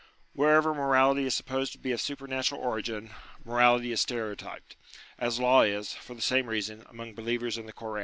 Wherever morality is supposed to be of supernatural origin, morality is stereotyped ; as law is, for the same reason, among believers in the Koran.